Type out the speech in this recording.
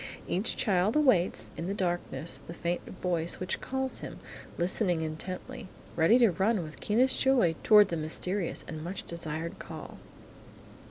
Each child awaits, in the darkness, the faint voice which calls him, listening intently, ready to run with keenest joy toward the mysterious and much desired call.